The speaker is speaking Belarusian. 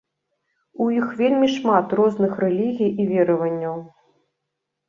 У іх вельмі шмат розных рэлігій і вераванняў.